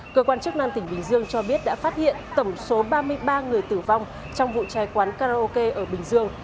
cơ quan chức năng tỉnh bình dương cho biết đã phát hiện tổng số ba mươi ba người tử vong trong vụ cháy quán karaoke ở bình dương